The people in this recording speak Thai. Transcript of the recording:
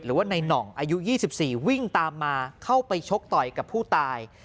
หรือว่าในหน่องอายุ๒๔วิ่งตามมาเข้าไปชกต่อยกับผู้ตาย